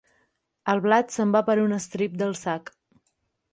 El blat se'n va per un estrip del sac.